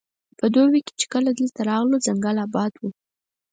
په دوبي کې چې کله دلته راغلو ځنګل اباد وو.